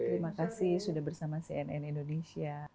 terima kasih sudah bersama cnn indonesia